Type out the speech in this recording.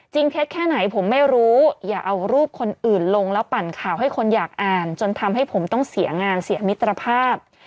เท็จแค่ไหนผมไม่รู้อย่าเอารูปคนอื่นลงแล้วปั่นข่าวให้คนอยากอ่านจนทำให้ผมต้องเสียงานเสียมิตรภาพ